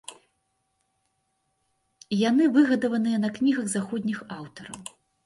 Яны выгадаваныя на кнігах заходніх аўтараў.